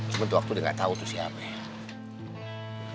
cuma waktu itu udah gak tau itu siapa ya